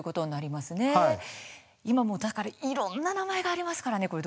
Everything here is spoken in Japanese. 最近はいろんな名前がありますからね。